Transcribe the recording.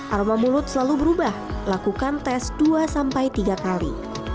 aroma mulut selalu berubah lakukan tes dua tiga kali